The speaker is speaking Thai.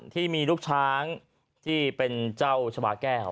ที่มีลูกช้างที่เป็นเจ้าชาวาแก้ว